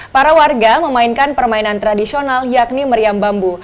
para warga memainkan permainan tradisional yakni meriam bambu